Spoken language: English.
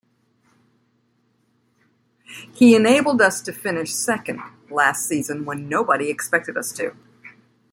He enabled us to finish second last season when nobody expected us to.